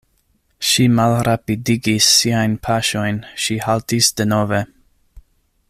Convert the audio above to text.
Ŝi malrapidigis siajn paŝojn, ŝi haltis denove.